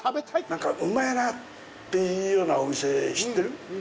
なんか、うんまいなっていうようなお店、知ってる？